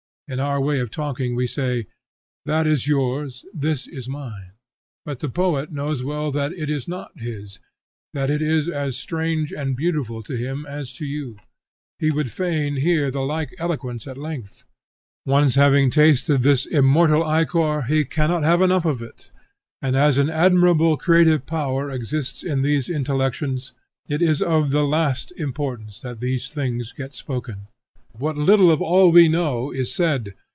In our way of talking we say 'That is yours, this is mine;' but the poet knows well that it is not his; that it is as strange and beautiful to him as to you; he would fain hear the like eloquence at length. Once having tasted this immortal ichor, he cannot have enough of it, and as an admirable creative power exists in these intellections, it is of the last importance that these things get spoken. What a little of all we know is said!